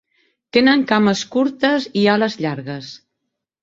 Tenen cames curtes i ales llargues.